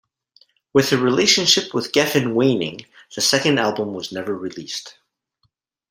With their relationship with Geffen waining, the second album was never released.